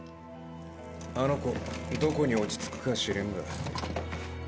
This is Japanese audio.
あの子どこに落ち着くか知れんが。